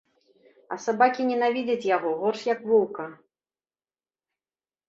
А сабакі ненавідзяць яго горш, як воўка.